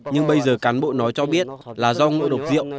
nhưng bây giờ cán bộ nói cho biết là do ngựa độc rượu